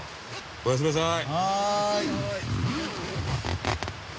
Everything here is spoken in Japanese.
おやすみなさい。